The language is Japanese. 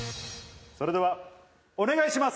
それではお願いします。